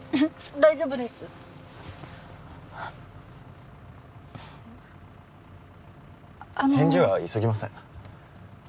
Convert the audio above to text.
大丈夫ですあの返事は急ぎません